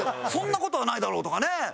そんな事はないだろうとかね。